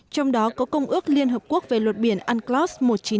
trong đó có công ước liên hợp quốc về luật biển unclos một nghìn chín trăm tám mươi hai